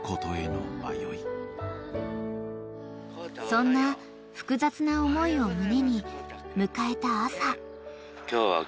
［そんな複雑な思いを胸に迎えた朝］